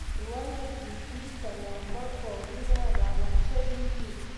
ولې د دین په نامه کورونه وران شوي دي؟